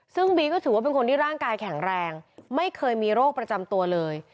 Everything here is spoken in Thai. ซึ่งบีก็ถือว่าเป็นคนที่ร่างกายแข็งแรงไม่เคยมีโรคประจำตัวเลย